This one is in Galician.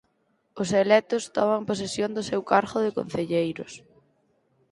Os electos toman posesión do seu cargo de concelleiros.